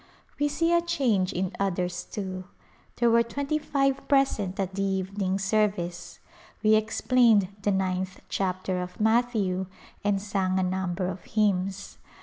We see a change in others, too. There were twenty five present at the evening service. We explained the ninth chapter of Matthew and sang a number of hymns.